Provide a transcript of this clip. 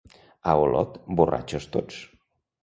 A Olot, borratxos tots.